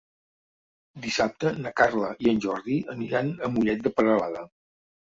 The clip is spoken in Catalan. Dissabte na Carla i en Jordi aniran a Mollet de Peralada.